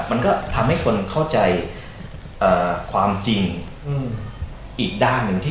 มันก็ทำให้คนเข้าใจความจริงอีกด้านหนึ่งที่